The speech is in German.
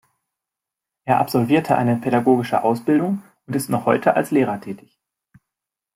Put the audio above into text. Er absolvierte eine pädagogische Ausbildung und ist noch heute als Lehrer tätig.